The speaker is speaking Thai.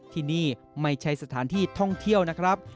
ที่นี่ไม่ใช่สถานที่ท่องเที่ยวนะครับ